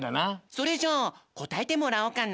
それじゃあこたえてもらおうかな？